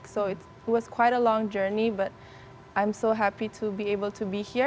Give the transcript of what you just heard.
jadi itu adalah perjalanan yang sangat panjang tapi saya sangat senang bisa berada di sini